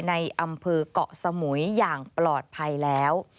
ในอำเภอกเกาะสมุยอย่างปลอดภัยแล้ว